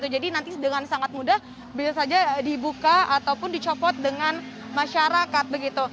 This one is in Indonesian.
jadi nanti dengan sangat mudah bisa saja dibuka ataupun dicopot dengan masyarakat